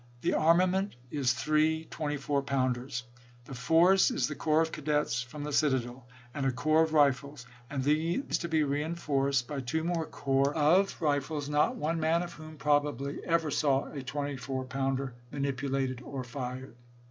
The armament is three 24 pounders. The force is the corps of cadets from the citadel, and a corps of rifles ; and these to be reenforced by two more corps of 120 ABEAHAM LINCOLN chap. ix. rifles, not one man of whom, probably, ever saw a 24 pounder manipulated or fired.